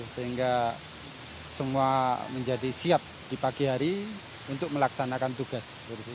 sehingga semua menjadi siap di pagi hari untuk melaksanakan tugas